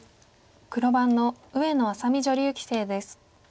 黒番の上野愛咲美女流棋聖です。